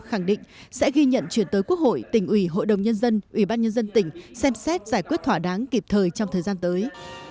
khẳng định sẽ ghi nhận chuyển tới quốc hội tỉnh ủy hội đồng nhân dân ủy ban nhân dân tỉnh xem xét giải quyết thỏa đáng kịp thời trong thời gian tới